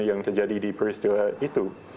yang terjadi di peristiwa itu